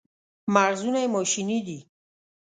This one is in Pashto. مغزونه یې ماشیني دي.